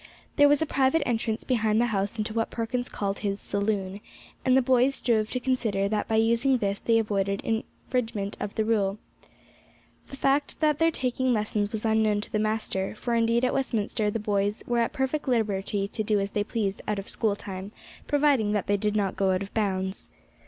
There was a private entrance behind the house into what Perkins called his "saloon," and the boys strove to consider that by using this they avoided an infringement of the rule. The fact of their taking lessons was unknown to the master, for indeed at Westminster the boys were at perfect liberty to do as they pleased out of school time, providing that they did not go out of bounds.